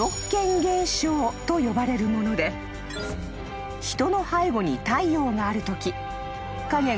［と呼ばれるもので人の背後に太陽があるとき］